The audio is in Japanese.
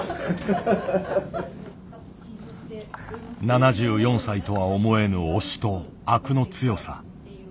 ７４歳とは思えぬ押しとアクの強さ。